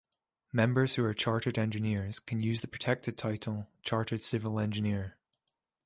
Members who are Chartered Engineers can use the protected title Chartered Civil Engineer.